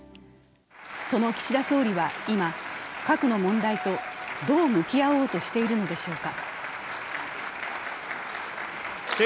その岸田総理は今、核の問題とどう向き合おうとしているのでしょうか。